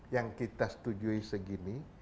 yang kita setujui segini